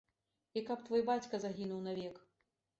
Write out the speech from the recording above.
І каб твой бацька загінуў навек.